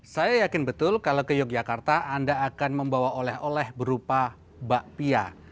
saya yakin betul kalau ke yogyakarta anda akan membawa oleh oleh berupa bakpia